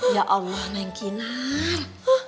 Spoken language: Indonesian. ya allah naik kinar